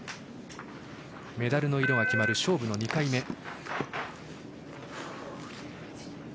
メダルの色が決まる勝負の２回目。